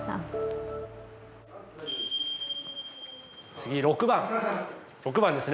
次６番６番ですね